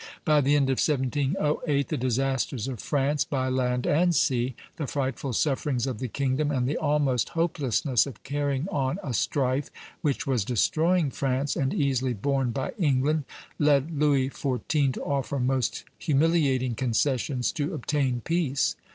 By the end of 1708 the disasters of France by land and sea, the frightful sufferings of the kingdom, and the almost hopelessness of carrying on a strife which was destroying France, and easily borne by England, led Louis XIV. to offer most humiliating concessions to obtain peace.